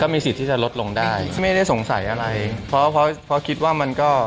ไม่สำคัญเลยเฉยครับ